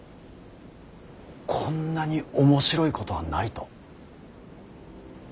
こんなに面白いことはないと。